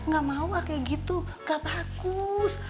gak mau kayak gitu gak bagus